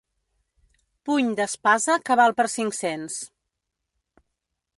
Puny d'espasa que val per cinc-cents.